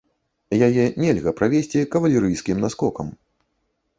Яе нельга правесці кавалерыйскім наскокам.